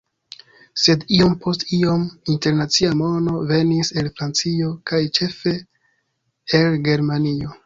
Sed iom post iom internacia mono venis el Francio kaj ĉefe el Germanio.